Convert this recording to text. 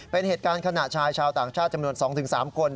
เป็นเหตุการณ์ขณะชายชาวต่างชาติจำนวน๒๓คน